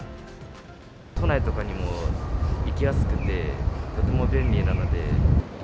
都内とかにも行きやすくて、とても便利なので。